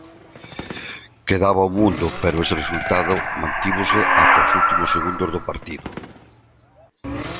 Quedaba un mundo, pero ese resultado mantívose ata os últimos segundos do partido.